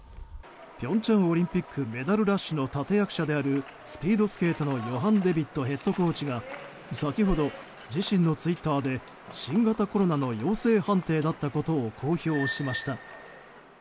平昌オリンピックメダルラッシュの立役者であるスピードスケートのヨハン・デビットヘッドコーチが先ほど、自身のツイッターで新型コロナの陽性判定だったことを公表しました。